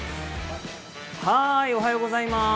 おはようございます。